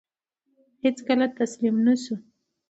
هیڅکله تسلیم نه شو.